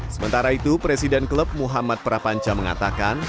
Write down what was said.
sementara itu presiden klub muhammad prapanca mengatakan